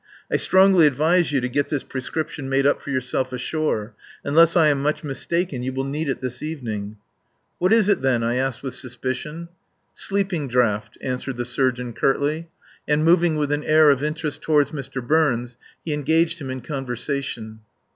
"I strongly advise you to get this prescription made up for yourself ashore. Unless I am much mistaken you will need it this evening." "What is it, then?" I asked with suspicion. "Sleeping draught," answered the surgeon curtly; and moving with an air of interest toward Mr. Burns he engaged him in conversation.